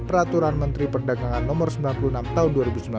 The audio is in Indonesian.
peraturan menteri perdagangan no sembilan puluh enam tahun dua ribu sembilan belas